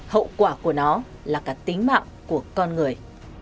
hậu quả của nó là cả tính mạng của con người